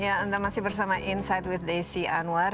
ya anda masih bersama insight with desi anwar